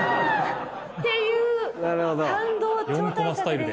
ていう感動超大作です。